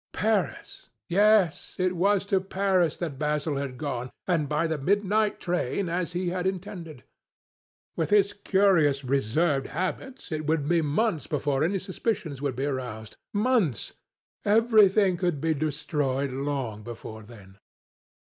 Paris! Yes. It was to Paris that Basil had gone, and by the midnight train, as he had intended. With his curious reserved habits, it would be months before any suspicions would be roused. Months! Everything could be destroyed long before then.